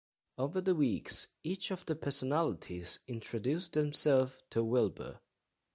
Over the weeks, each of the personalities introduce themselves to Wilbur.